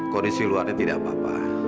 kondisi luarnya tidak apa apa